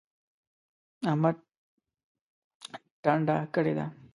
احمد ټنډه کړې ده.